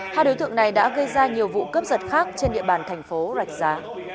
hai đối tượng này đã gây ra nhiều vụ cướp giật khác trên địa bàn thành phố rạch giá